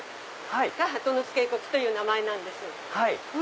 鳩ノ巣渓谷という名前なんです。